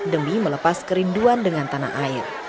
demi melepas kerinduan dengan tanah air